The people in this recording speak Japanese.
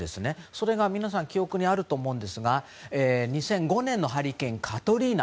それが皆さん記憶にあると思うんですが２００５年のハリケーン、カトリーナ。